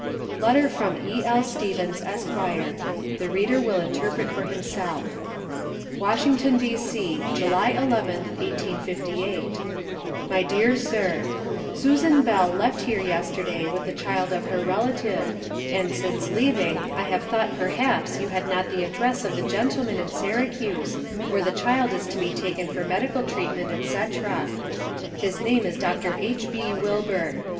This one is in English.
LETTER FROM E.L. STEVENS, ESQ. (The reader will interpret for himself.) WASHINGTON, D.C., July 11th, 1858. MY DEAR SIR: Susan Bell left here yesterday with the child of her relative, and since leaving I have thought, perhaps, you had not the address of the gentleman in Syracuse where the child is to be taken for medical treatment, etc. His name is Dr. H.B. Wilbur.